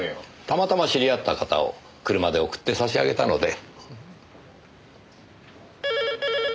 たまたま知り合った方を車で送って差し上げたので。